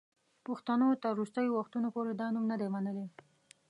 پښتنو تر وروستیو وختونو پوري دا نوم نه دی منلی.